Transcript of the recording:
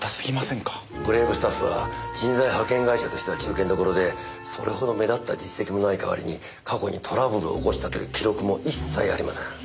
ブレイブスタッフは人材派遣会社としては中堅どころでそれほど目立った実績もないかわりに過去にトラブルを起こしたという記録も一切ありません。